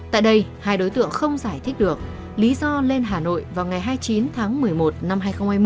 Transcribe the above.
tại đây hai đối tượng không giải thích được lý do lên hà nội vào ngày hai mươi chín tháng một mươi một năm hai nghìn hai mươi